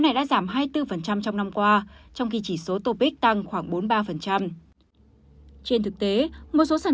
này đã giảm hai mươi bốn trong năm qua trong khi chỉ số topic tăng khoảng bốn mươi ba trên thực tế một số sản